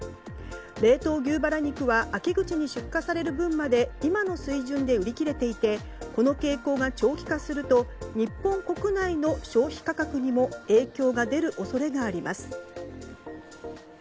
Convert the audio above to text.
冷凍牛バラ肉は秋口に出荷される分まで今の水準で売り切れていてこの傾向が長期化すると日本国内の消費価格にも影響が出る恐れがあります。